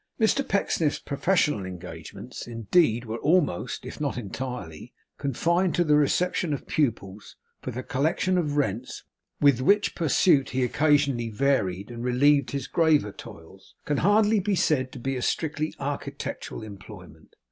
Mr Pecksniff's professional engagements, indeed, were almost, if not entirely, confined to the reception of pupils; for the collection of rents, with which pursuit he occasionally varied and relieved his graver toils, can hardly be said to be a strictly architectural employment.